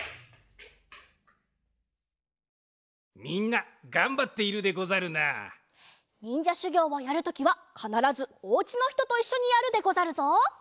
みんながんばっているでござるな。にんじゃしゅぎょうをやるときはかならずおうちのひとといっしょにやるでござるぞ。